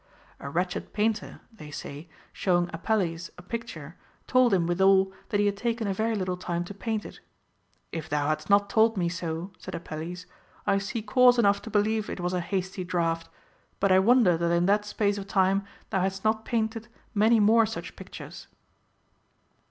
A wretched painter, they say, showing Apelles a picture, told him Avithal that he had taken a very little time to paint it. If thou hadst not told me so, said Apelles, I see cause enough to believe it was a hasty draught ; but I Avonder that in that space of time thou hast not painted many more such pictures.